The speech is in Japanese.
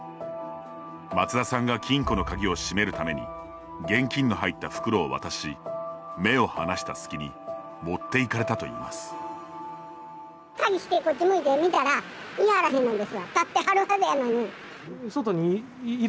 松田さんが金庫の鍵を閉めるために現金の入った袋を渡し目を離した隙に持っていかれたといいます。